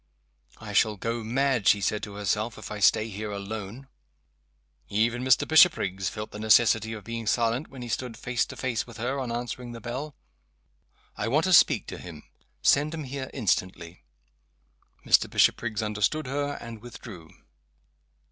"I shall go mad," she said to herself, "if I stay here alone." Even Mr. Bishopriggs felt the necessity of being silent when he stood face to face with her on answering the bell. "I want to speak to him. Send him here instantly." Mr. Bishopriggs understood her, and withdrew.